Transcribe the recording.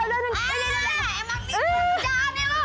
eh emang pijak nih lo